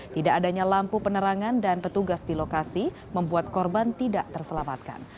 tidak adanya lampu penerangan dan petugas di lokasi membuat korban tidak terselamatkan